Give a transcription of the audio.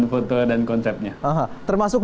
foto dan konsepnya termasuk